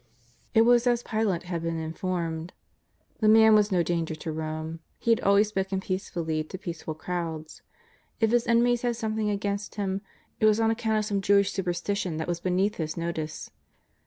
It was as Pilate had been informed. The Man was no danger to Rome. He had always spoken peace fully to peaceful crowds. If His enemies had any thing against Him, it was on account of some Jewish superstition that was beneath his notice.